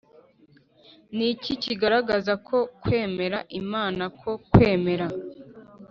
Ni iki kigaragaza ko kwemera imana no kwemera